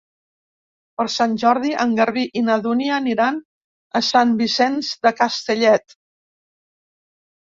Per Sant Jordi en Garbí i na Dúnia aniran a Sant Vicenç de Castellet.